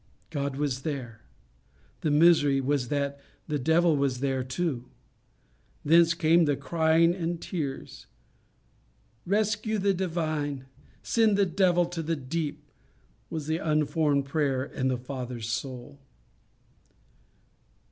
God was there. The misery was that the devil was there too. Thence came the crying and tears. "Rescue the divine; send the devil to the deep," was the unformed prayer in the father's soul.